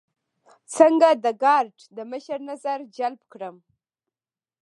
څنګه د ګارد د مشر نظر جلب کړم.